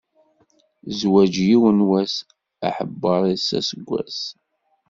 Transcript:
Zzwaǧ yiwen wass, aḥebbeṛ-is aseggas.